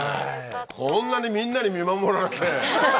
こんなにみんなに見守られて。